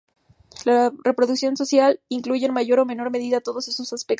La reproducción social incluye en mayor o menor medida todos estos aspectos.